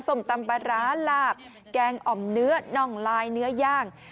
ส้มตำปลาร้าลาบแกงอ่อมเนื้อน่องลายเนื้อย่าง